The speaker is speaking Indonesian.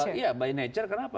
iya by nature kenapa